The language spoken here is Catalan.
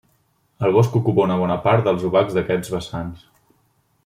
El bosc ocupa una bona part dels obacs d'aquests vessants.